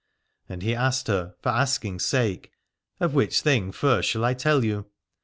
And he asked her for asking's sake : Of which thing first shall I tell you ?